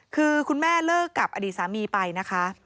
คือคุณแม่เลิกกับอดีตสามีไปนะคะ